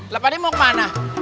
lepas ini mau kemana